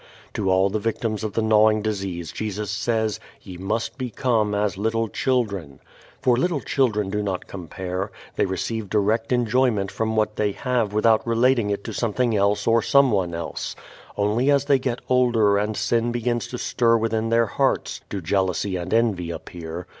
To all the victims of the gnawing disease Jesus says, "Ye must become as little children." For little children do not compare; they receive direct enjoyment from what they have without relating it to something else or someone else. Only as they get older and sin begins to stir within their hearts do jealousy and envy appear.